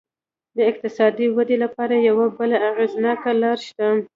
د اقتصادي ودې لپاره یوه بله اغېزناکه لار شته.